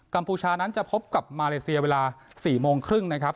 พูชานั้นจะพบกับมาเลเซียเวลา๔โมงครึ่งนะครับ